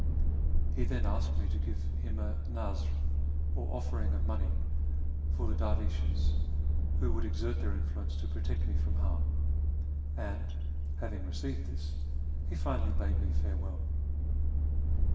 He then asked me to give him a nazr, or oflering of money, for the dervishes, who would exert their influence to protect me from harm, and, having received this, he finally bade me farewell.